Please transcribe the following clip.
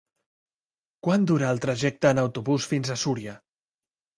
Quant dura el trajecte en autobús fins a Súria?